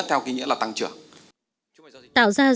theo cái nghĩa là tăng trưởng